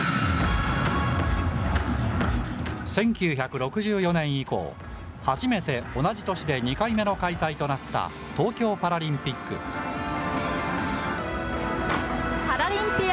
１９６４年以降、初めて同じ都市で２回目の開催となった東京パラリンピック。